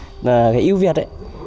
đó là cái ưu việt đấy